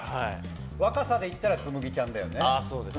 若さでいったらつむぎちゃんだよね。